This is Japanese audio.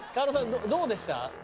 狩野さんどうでした？